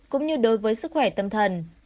cũng như đối với sức khỏe tâm thần